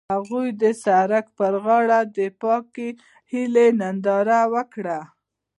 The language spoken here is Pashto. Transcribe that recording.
هغوی د سړک پر غاړه د پاک هیلې ننداره وکړه.